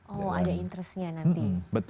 oh ada interestnya nanti